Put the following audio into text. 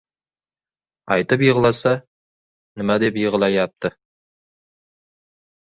Aytib yig‘lasa, nima deb yig‘layapti?